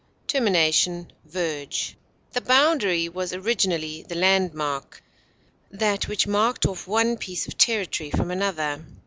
bourne, landmark, The boundary was originally the landmark, that which marked off one piece of territory from another.